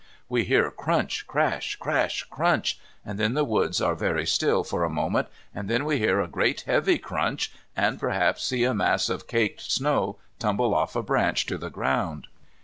We hear crunch, crash, crash, crunch, and then the woods are very still for a moment, and then we hear a great heavy crunch, and perhaps see a mass of caked snow tumble off a branch to the ground.